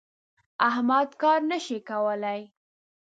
احمد کار نه شي کولای.